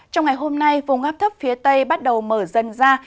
trong ngày hôm nay vùng áp thấp phía tây bắt đầu mở dần ra